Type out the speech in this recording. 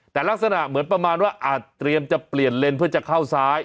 แต่ลักษณะเหมือนประมาณว่าอาจเตรียมจะเปลี่ยนเลนเพื่อจะเข้าซ้าย